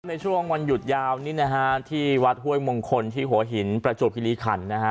ในช่วงวันหยุดยาวนี้นะฮะที่วัดห้วยมงคลที่หัวหินประจวบคิริขันนะฮะ